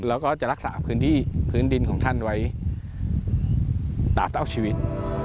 เราก็จะรักษาพื้นดินของท่านไว้ตามต้องชีวิต